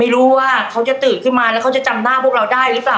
ไม่รู้ว่าเขาจะตื่นขึ้นมาแล้วเขาจะจำหน้าพวกเราได้หรือเปล่า